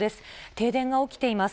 停電が起きています。